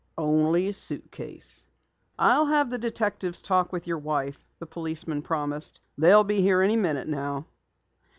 "Only a suitcase." "I'll have the detectives talk with your wife," the policeman promised. "They'll be here any minute now."